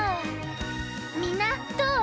みんなどう？